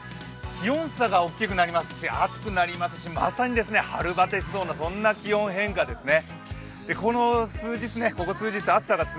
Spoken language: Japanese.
気温差が大きくなりますし暑くなりますし、まさに春バテしそうな気温変化ですね。